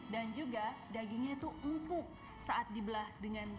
dan juga dagingnya itu umpuk saat dibelah dengan sendok